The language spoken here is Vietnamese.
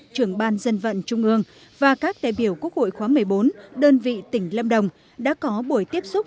trưởng ban dân vận trung ương và các đại biểu quốc hội khóa một mươi bốn đơn vị tỉnh lâm đồng đã có buổi tiếp xúc